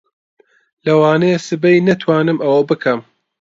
لەوانەیە سبەی نەتوانم ئەوە بکەم.